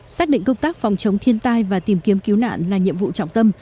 xác định công tác phòng chống thiên tai và tìm kiếm cứu nạn là nhiệm vụ trọng tâm